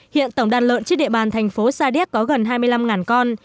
hiện tổng đàn lợn trên địa bàn thành phố sa điếc có gần hai mươi năm con